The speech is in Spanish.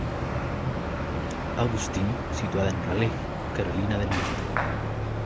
Augustine, situada en Raleigh, Carolina del Norte.